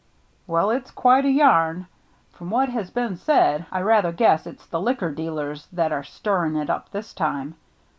"Well, it's quite a yarn. From what has been said, I rather guess it's the liquor dealers that are stirring it up this time.